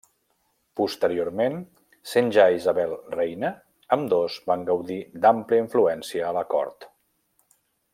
Posteriorment, sent ja Isabel reina, ambdós van gaudir d'àmplia influència a La Cort.